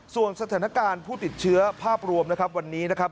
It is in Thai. ส่วนสถานการณ์ผู้ติดเชื้อภาพรวมนะครับวันนี้นะครับ